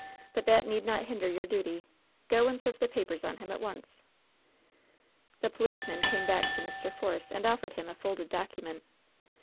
But that need not hinder your duty. Go and serve the papers on him at once." The policeman came back to Mr. Force and offered him a folded document.